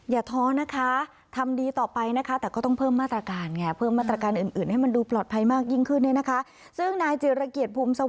อย่าท้อนะคะทำดีต่อไปนะคะแต่ก็ต้องเพิ่มมาตรการไง